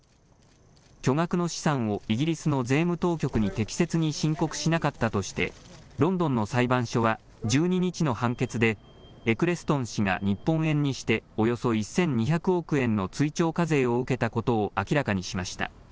巨額の資産をイギリスの税務当局に適切に申告しなかったとしてロンドンの裁判所は１２日の判決でエクレストン氏が日本円にしておよそ１２００億円の追徴課税を受けたことを明らかにしました。